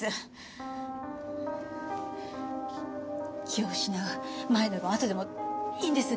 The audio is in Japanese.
気を失う前でも後でもいいんです。